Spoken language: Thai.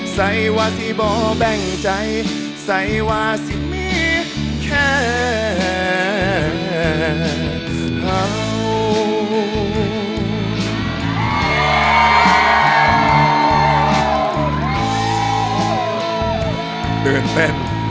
ใส่ว่าสิบ่แบ่งใจใส่ว่าสิมีแค่เธอ